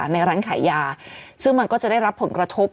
ในร้านขายยาซึ่งมันก็จะได้รับผลกระทบ